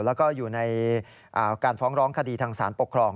แล้วก็อยู่ในการฟ้องร้องคดีทางสารปกครอง